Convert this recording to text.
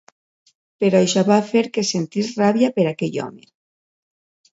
Però això va fer que sentís ràbia per aquell home.